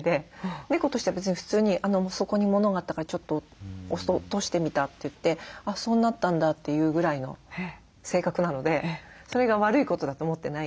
猫としては別に普通にそこに物があったからちょっと落としてみたといって「そうなったんだ」というぐらいの性格なのでそれが悪いことだと思ってないんですね。